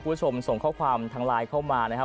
คุณผู้ชมส่งข้อความทางไลน์เข้ามานะครับ